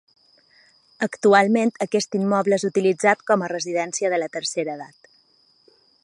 Actualment, aquest immoble és utilitzat com a residència de la tercera edat.